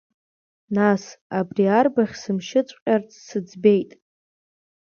Нас, абри арбаӷь сымшьыҵәҟьарц сыӡбеит.